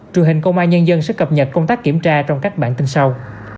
truyền hình công an nhân dân sẽ cập nhật công tác kiểm tra trong các bản tin sau